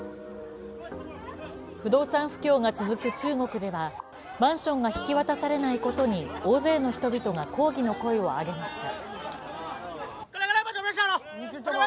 不動産不況が続く中国では、マンションが引き渡されないことに大勢の人々が抗議の声を上げました。